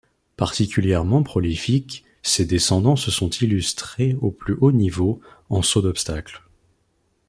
Particulièrement prolifique, ses descendants se sont illustrés au plus haut niveau en saut d'obstacles.